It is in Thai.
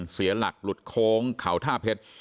เสียหลักหลุดโค้งเขาท่าเพชร